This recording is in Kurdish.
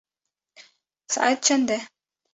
Saet çend e?